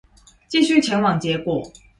繼續前往結果